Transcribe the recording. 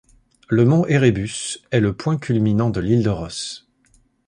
Le mont Erebus est le point culminant de l'île de Ross.